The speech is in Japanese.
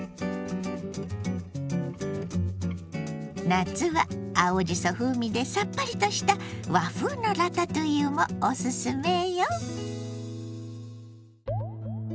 夏は青じそ風味でさっぱりとした和風のラタトゥイユもオススメよ。